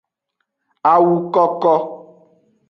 Awu koko.